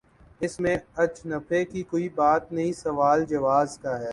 اس میں اچنبھے کی کوئی بات نہیں سوال جواز کا ہے۔